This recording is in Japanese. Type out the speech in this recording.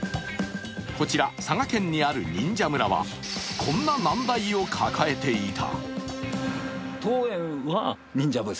こちら佐賀県にある忍者村はこんな難題を抱えていた。